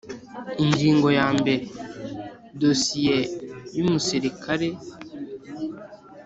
Ingingo ya mbere Dosiye y umusirikare